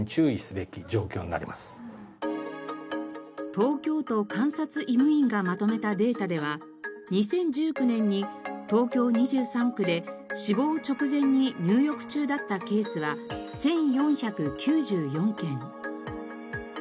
東京都監察医務院がまとめたデータでは２０１９年に東京２３区で死亡直前に入浴中だったケースは１４９４件。